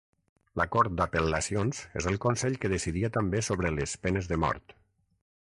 La cort d'apel·lacions és el consell que decidia també sobre les penes de mort.